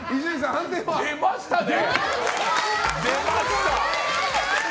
出ましたね！